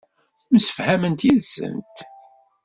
Msefhament yid-sent.